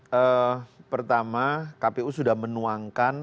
ya pertama kpu sudah menuangkan